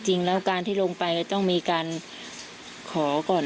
จริงแล้วการที่ลงไปก็ต้องมีการขอก่อน